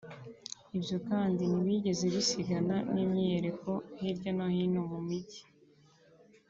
Ibyo kandi ntibyigeze bisigana n’imyiyereko hirya no hino mu mijyi